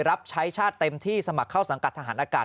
รับใช้ชาติเต็มที่สมัครเข้าสังกัดทหารอากาศ